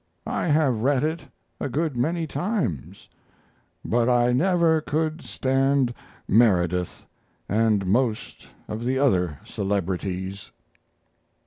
I have read it a good many times; but I never could stand Meredith and most of the other celebrities."